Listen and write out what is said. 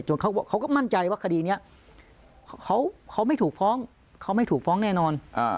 เขาก็มั่นใจว่าคดีนี้เขาไม่ถูกฟ้องเขาไม่ถูกฟ้องแน่นอน